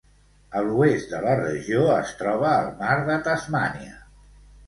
A l'oest de la regió es troba el mar de Tasmània.